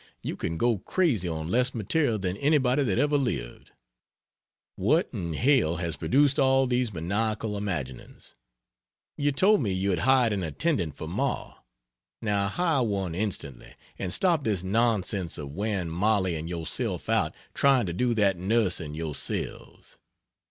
You can go crazy on less material than anybody that ever lived. What in hell has produced all these maniacal imaginings? You told me you had hired an attendant for ma. Now hire one instantly, and stop this nonsense of wearing Mollie and yourself out trying to do that nursing yourselves.